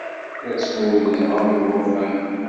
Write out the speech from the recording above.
La ttmurudeɣ am ulufan.